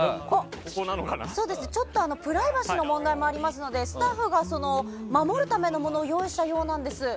ちょっとプライバシーの問題もありますのでスタッフが守るためのものを用意したようなんです。